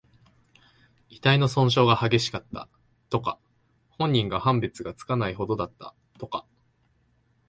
遺体の損傷が激しかった、とか。本人か判別がつかないほどだった、とか。